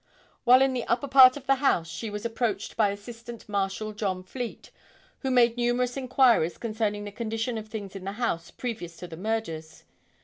While in the upper part of the house she was approached by Assistant Marshal John Fleet who made numerous inquiries concerning the condition of things in the house previous to the murders.